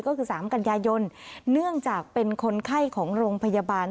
ก็คือ๓กันยายนเนื่องจากเป็นคนไข้ของโรงพยาบาล